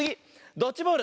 ドッジボール。